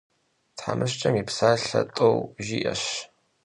Themışç'em yi psalhe t'eu jjı'eş.